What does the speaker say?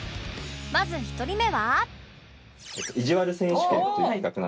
まず１人目は